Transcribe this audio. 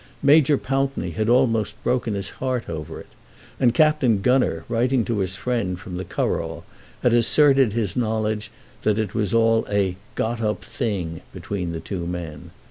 Major Pountney had almost broken his heart over it, and Captain Gunner, writing to his friend from the Curragh, had asserted his knowledge that it was all a "got up thing" between the two men.